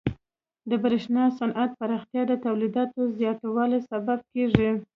د برېښنا صنعت پراختیا د تولیداتو زیاتوالي سبب کیږي.